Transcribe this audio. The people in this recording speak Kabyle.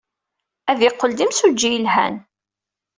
Ad yeqqel d imsujji yelhan.